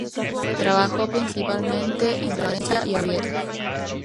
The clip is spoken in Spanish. Trabajó principalmente en Florencia y Orvieto.